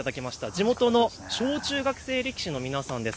地元の小中学生の力士の皆さんです。